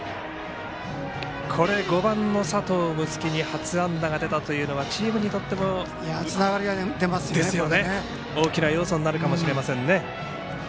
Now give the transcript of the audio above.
５番の佐藤夢樹に初安打が出たということはチームにとっても大きな要素になるかもしれませんね。